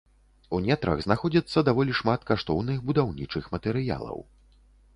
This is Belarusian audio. У нетрах знаходзіцца даволі шмат каштоўных будаўнічых матэрыялаў.